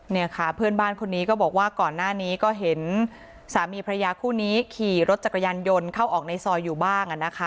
เนี่ยค่ะเพื่อนบ้านคนนี้ก็บอกว่าก่อนหน้านี้ก็เห็นสามีพระยาคู่นี้ขี่รถจักรยานยนต์เข้าออกในซอยอยู่บ้างนะคะ